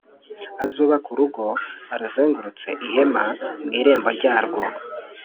Uzubake urugo a ruzengurutse ihema mu irembo ryarwo